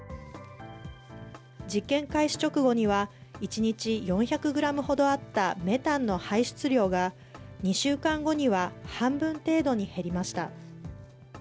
実験開始直後には、１日４００グラムほどあったメタンの排出量が、２週間後には半分程度に減りました。